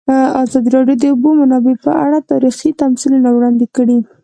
ازادي راډیو د د اوبو منابع په اړه تاریخي تمثیلونه وړاندې کړي.